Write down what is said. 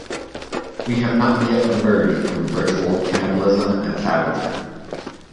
We have not yet emerged from virtual cannibalism and savagery.